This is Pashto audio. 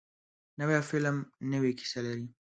نوی فلم نوې کیسه لري